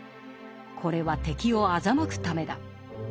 これは敵を欺くためだ。